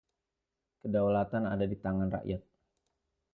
Kedaulatan ada di tangan rakyat.